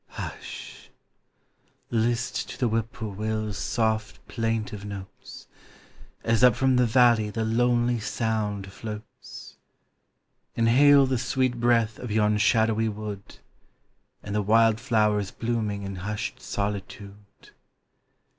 Hush! list to the Whip poor will's soft plaintive notes, As up from the valley the lonely sound floats, Inhale the sweet breath of yon shadowy wood And the wild flowers blooming in hushed solitude.